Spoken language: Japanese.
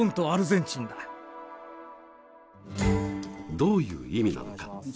どういう意味なのか。